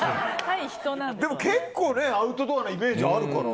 でも結構アウトドアなイメージあるから。